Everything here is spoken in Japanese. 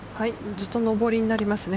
ずっと上りになりますね。